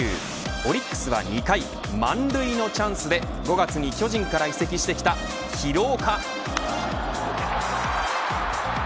オリックスは２回満塁のチャンスで５月に巨人から移籍してきた廣岡。